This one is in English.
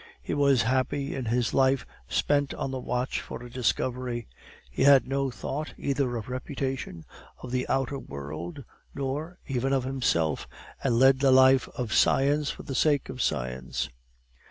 He was happy in his life spent on the watch for a discovery; he had no thought either of reputation, of the outer world, nor even of himself, and led the life of science for the sake of science.